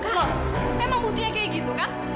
kalau emang buktinya kayak gitu kan